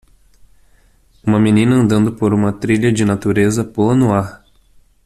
Uma menina andando por uma trilha de natureza pula no ar.